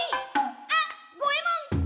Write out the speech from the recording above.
「あ、ごえもん！